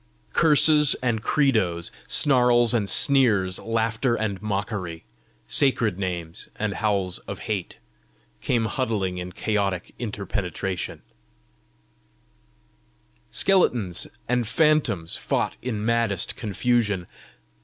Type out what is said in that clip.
Curses and credos, snarls and sneers, laughter and mockery, sacred names and howls of hate, came huddling in chaotic interpenetration. Skeletons and phantoms fought in maddest confusion.